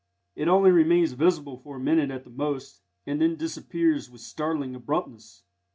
It only remains visible for a minute at the most, and then disappears with startling abruptness.